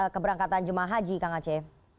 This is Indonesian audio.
keberangkatan jemaah haji kang aceh